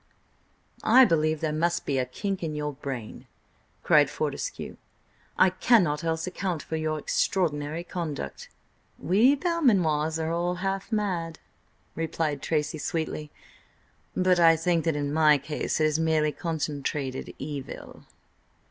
"I believe there must be a kink in your brain!" cried Fortescue. "I cannot else account for your extraordinary conduct!" "We Belmanoirs are all half mad," replied Tracy sweetly, "but I think that in my case it is merely concentrated evil."